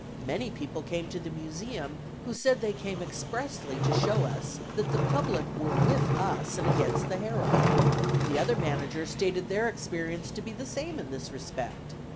Many people came to the Museum, who said they came expressly to show us that the public were with us and against the Herald. The other managers stated their experience to be the same in this respect.